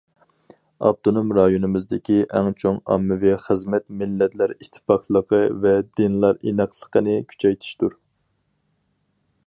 ئاپتونوم رايونىمىزدىكى ئەڭ چوڭ ئاممىۋى خىزمەت مىللەتلەر ئىتتىپاقلىقى ۋە دىنلار ئىناقلىقىنى كۈچەيتىشتۇر.